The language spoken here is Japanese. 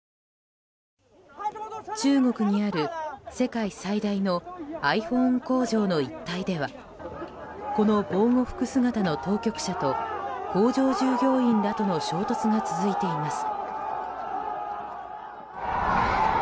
中国にある、世界最大のｉＰｈｏｎｅ工場の一帯ではこの防護服姿の当局者と工場従業員らとの衝突が続いています。